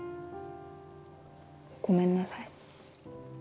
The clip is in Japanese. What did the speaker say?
ごめんなさい。